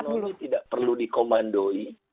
jika tidak ada ekonomi tidak perlu dikomandoi